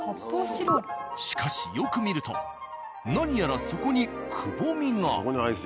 しかしよく見ると何やら底にくぼみが。